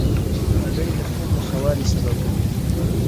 هګۍ د خوب د ښه والي سبب ګرځي.